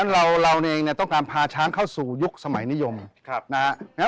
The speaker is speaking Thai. เราเองเนี่ยต้องการพาช้างเข้าสู่ยุคสมัยนิยมนะฮะ